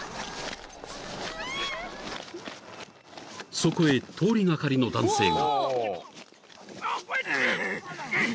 ［そこへ通り掛かりの男性が］